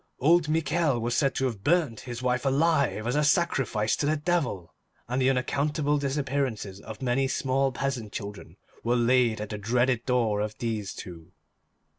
Old Michel was said to have burnt his wife alive as a sacrifice to the Devil, and the unaccountable disappearances of many small peasant children were laid at the dreaded door of these two.